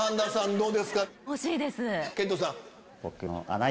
どうですか？